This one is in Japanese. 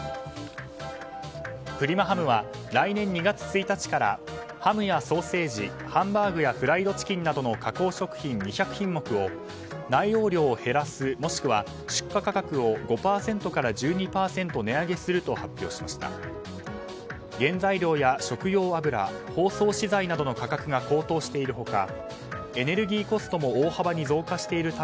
フリマハムは来年２月１日からハムやソーセージ、ハンバーグやフライドチキンなどの加工食品２００品目を内容量を減らすもしくは出荷価格を５％から１２％値上げすると発表しました。